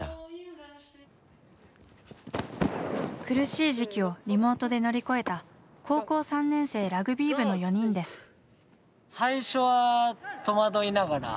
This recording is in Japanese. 苦しい時期をリモートで乗り越えた高校３年生ラグビー部の４人です。